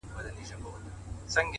• که تریخ دی زما دی ـ